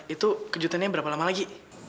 itu kejutan yang berapa lama lagi